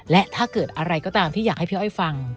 และถ้าเกิดอะไรก็ตามที่อยากให้พี่อ้อยฟัง